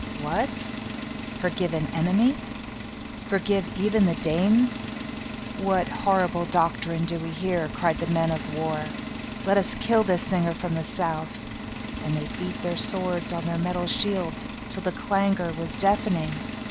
"What! forgive an enemy? Forgive even the Danes? What horrible doctrine do we hear!" cried the men of war. "Let us kill this singer from the south." And they beat their swords on their metal shields, till the clangor was deafening.